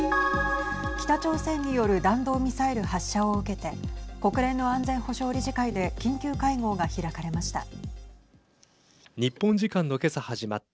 北朝鮮による弾道ミサイル発射を受けて国連の安全保障理事会で緊急会合が開かれました。